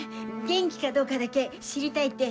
元気かどうかだけ知りたいって。